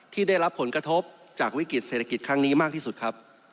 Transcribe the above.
ที่ได้รับผลกระทบจากวิกฤตเศรษฐกิจครั้งนี้มากที่สุดครับ